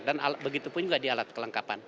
dan begitu pun juga di alat kelengkapan